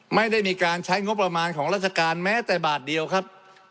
ไม่ได้มีการใช้งบประมาณของราชการแม้แต่บาทเดียวครับ